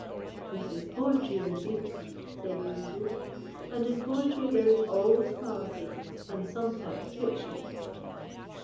"This is poetry, Lucy," said Ravenswood; "and in poetry there is always fallacy, and sometimes fiction."